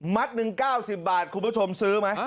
มัดหนึ่งเก้าสิบบาทคุณผู้ชมซื้อมั้ย